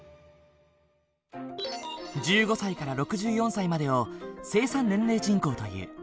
１５歳から６４歳までを生産年齢人口という。